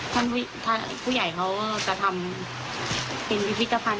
ก็ถ้าผู้ใหญ่เค้าจะทำเป็นพิพิธภัณฑ์